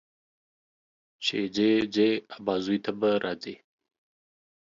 چې ځې، ځې ابازوی ته به راځې.